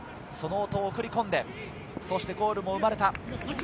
その大戸を送り込んでゴールも生まれた。